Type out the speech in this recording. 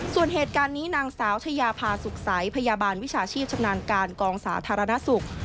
ส่วนเหตุการณ์นี้นางสาวชายาพาสุขใสพยาบาลวิชาชีพชำนาญการกองสาธารณสุข